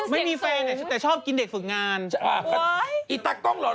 ไม่ใช่เด็กฝึกงานตากล้อง